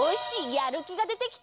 やるきがでてきた！